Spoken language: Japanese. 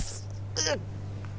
うっ。